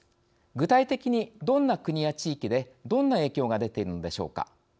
具体的に、どんな国や地域でどんな影響が出ているのでしょうか。